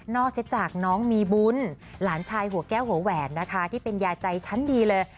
เช็คจากน้องมีบุญหลานชายหัวแก้วหัวแหวนนะคะที่เป็นยาใจชั้นดีเลย